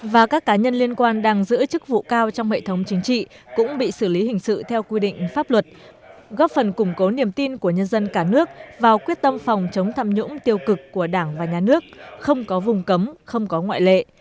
và các cá nhân liên quan đang giữ chức vụ cao trong hệ thống chính trị cũng bị xử lý hình sự theo quy định pháp luật góp phần củng cố niềm tin của nhân dân cả nước vào quyết tâm phòng chống tham nhũng tiêu cực của đảng và nhà nước không có vùng cấm không có ngoại lệ